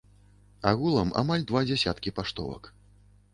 Агулам амаль два дзясяткі паштовак.